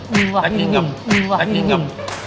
ดีวะดีวะใส่กินกำ